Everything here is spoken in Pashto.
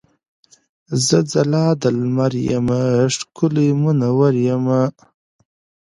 زه ځلا د لمر یمه ښکلی مونور یمه.